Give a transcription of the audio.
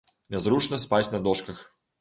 Нязручна спаць на дошках.